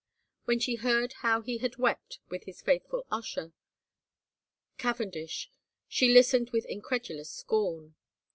When she heard how he had wept with his faithful usher, Cavendish, she listened with incredulous scorn.